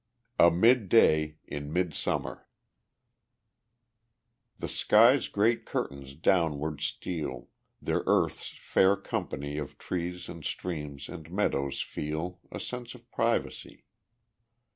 A Midday in Midsummer The sky's great curtains downward steal, The earth's fair company Of trees and streams and meadows feel A sense of privacy.